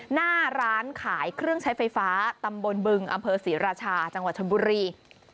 หน้าร้านขายเครื่องใช้ไฟฟ้าตำบลบึงอำเภอศรีราชาจังหวัดชนบุรี